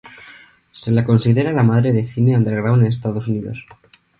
Se la considera la madre de cine underground en Estados Unidos.